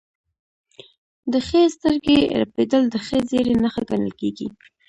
د ښي سترګې رپیدل د ښه زیری نښه ګڼل کیږي.